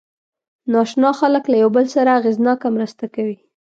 ناآشنا خلک له یو بل سره اغېزناکه مرسته کوي.